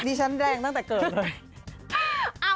ฉันแรงตั้งแต่เกิดเลย